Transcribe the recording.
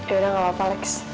yaudah gak apa apa alex